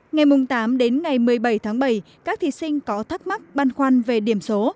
ngày tám đến ngày một mươi bảy tháng bảy các thí sinh có thắc mắc băn khoăn về điểm số